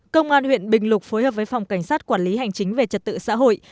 công an huyện bình lục phối hợp với phòng cảnh sát quản lý hành chính về trật tự xã hội